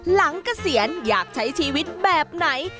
เกษียณอยากใช้ชีวิตแบบไหน